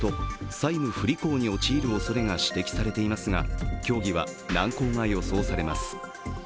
債務不履行に陥るおそれが指摘されていますが協議は難航が予想されます。